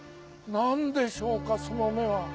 何でしょうかその目は。